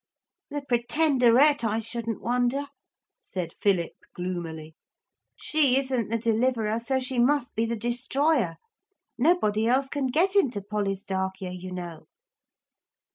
'The Pretenderette, I shouldn't wonder,' said Philip gloomily. 'She isn't the Deliverer, so she must be the Destroyer. Nobody else can get into Polistarchia, you know.'